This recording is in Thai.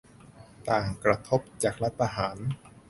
ต่างกระทบจากรัฐประหาร